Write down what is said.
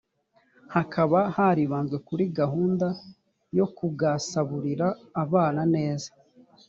hakaba haribanzwe kuri gahunda yo kugsabulira abana neza